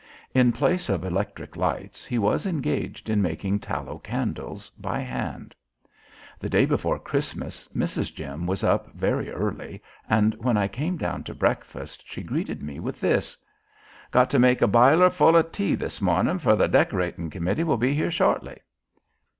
In place of electric lights he was engaged in making tallow candles by hand. The day before Christmas, Mrs. Jim was up very early and when I came down to breakfast she greeted me with this: "Got to make a biler full o' tea this morning fur the Decoratin' Committee will be here shortly."